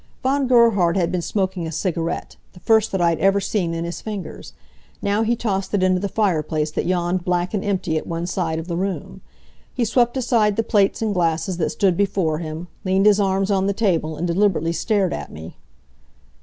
Von Gerhard had been smoking a cigarette, the first that I had ever seen in his fingers. Now he tossed it into the fireplace that yawned black and empty at one side of the room. He swept aside the plates and glasses that stood before him, leaned his arms on the table and deliberately stared at me.